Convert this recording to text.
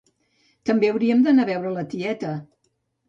També hauríem d'anar a veure la tieta